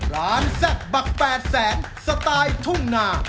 ร้านแซ่บปากแปดแสนสไตล์ตุ้งนา